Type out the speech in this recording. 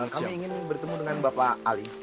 kami ingin bertemu dengan bapak ali